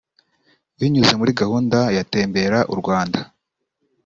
binyuze muri gahunda ya Tembera u Rwanda